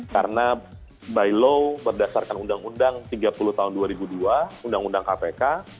karena by law berdasarkan undang undang tiga puluh tahun dua ribu dua undang undang kpk